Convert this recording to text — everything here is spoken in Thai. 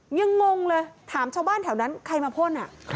งงเลยถามชาวบ้านแถวนั้นใครมาพ่น